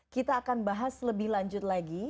kita akan bahas lebih lanjut lagi